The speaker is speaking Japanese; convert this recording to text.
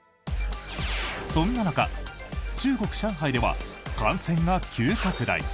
そんな中中国・上海では感染が急拡大。